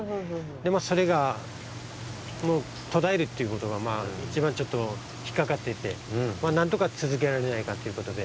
それがもうとだえるっていうことがいちばんちょっとひっかかっててなんとかつづけられないかっていうことで。